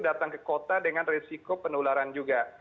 datang ke kota dengan risiko penularan juga